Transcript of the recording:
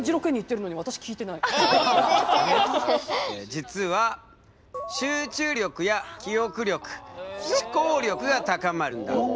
実は集中力や記憶力思考力が高まるんだ。